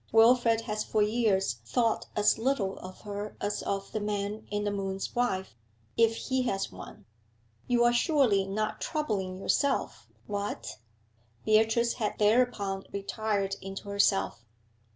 Wilfrid has for years thought as little of her as of the man in the moon's wife if he has one. You are surely not troubling yourself what?' Beatrice had thereupon retired into herself.